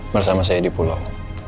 bersama saya di pulau